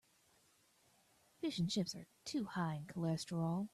Fish and chips are too high in cholesterol.